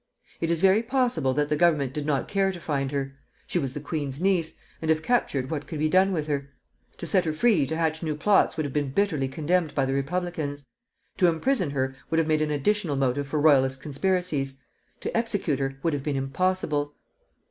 It is very possible that the Government did not care to find her. She was the queen's niece, and if captured what could be done with her? To set her free to hatch new plots would have been bitterly condemned by the republicans; to imprison her would have made an additional motive for royalist conspiracies; to execute her would have been impossible.